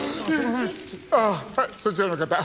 あっはいそちらの方。